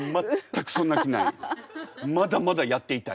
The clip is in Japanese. まだまだやっていたい。